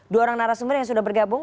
dua orang narasumber yang sudah bergabung